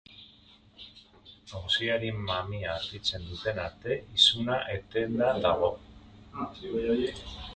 Auziaren mamia argitzen duten arte, isuna etenda dago.